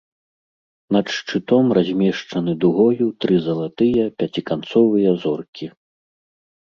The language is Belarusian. Над шчытом размешчаны дугою тры залатыя пяціканцовыя зоркі.